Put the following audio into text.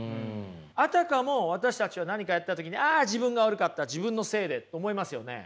あたかも私たちは何かやった時にああ自分が悪かった自分のせいでって思いますよね。